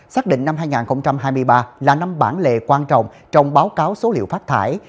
xác định năm hai nghìn hai mươi ba là năm bản lề quan trọng trong báo cáo số liệu phát thải